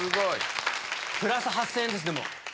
プラス８０００円ですでも。